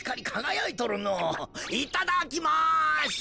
いただきます！